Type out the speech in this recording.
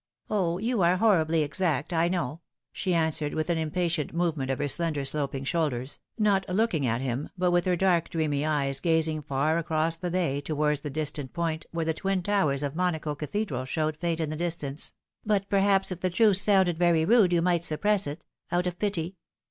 " O, you are horribly exact, I know I "she answered, with an impatient movement of her slender sloping shoulders, not looking at him, but with her dark dreamy eyes gazing far off across the bay towards the distant point where the twin towers of Monaco Cathedral showed faint in the distance, " but perhaps if the truth Bounded very rude you might suppress it out of pity."